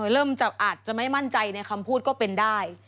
เริ่มอาจจะไม่มั่นใจในคำพูดก็เป็นได้